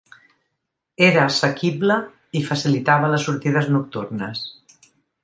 Era assequible i facilitava les sortides nocturnes.